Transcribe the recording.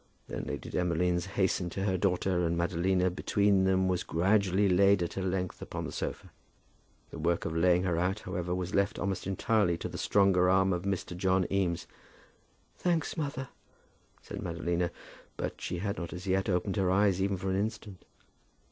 Then Lady Demolines hastened to her daughter, and Madalina between them was gradually laid at her length upon the sofa. The work of laying her out, however, was left almost entirely to the stronger arm of Mr. John Eames. "Thanks, mother," said Madalina; but she had not as yet opened her eyes, even for an instant.